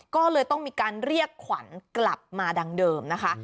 ก็เลยต้องมีการเรียกขวัญกลับมาดังเดิมนะคะ